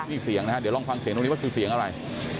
นี่เสียงนะฮะเดี๋ยวลองฟังเสียงตรงนี้ว่าคือเสียงอะไร